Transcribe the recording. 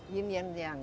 yin yang yang